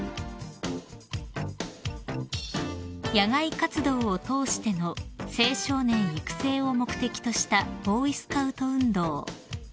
［野外活動を通しての青少年育成を目的としたボーイスカウト運動］